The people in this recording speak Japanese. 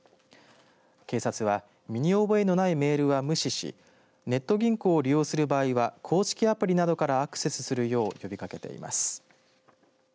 警察は身に覚えのないメールは無視しネット銀行を利用する場合は公式アプリなどからアクセスするよう呼びかけています。